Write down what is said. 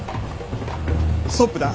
ストップだ。